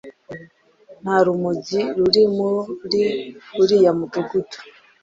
nta rumogi ruri muri uriya mudugudu,